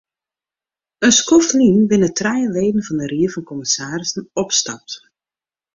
In skoft lyn binne trije leden fan de ried fan kommissarissen opstapt.